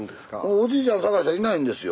おじいちゃん捜したらいないんですよ。